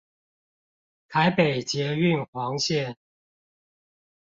台北捷運黃線